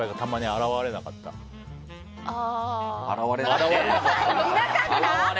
現れなかったんだ。